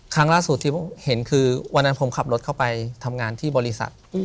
ครั้งล่าสุดที่เห็นคือวันนั้นผมขับรถเข้าไปทำงานที่บริษัท